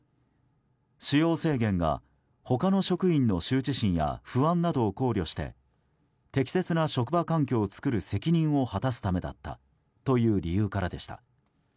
使用制限が、他の職員の羞恥心や不安などを考慮して適切な職場環境を作る責任を果たすためだったという理由からでした。